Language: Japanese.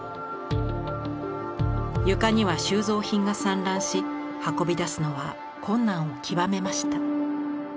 床には収蔵品が散乱し運び出すのは困難を極めました。